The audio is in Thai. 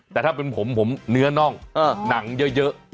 แต่ถ้าเป็นผมผมเนื้อน่องหนังเยอะ